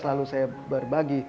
lalu saya berbagi